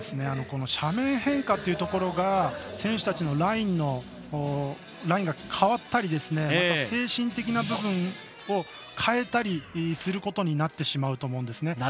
斜面変化というところが選手たちのラインが変わったり精神的な部分を変えたりすることになってしまうと思うんですね。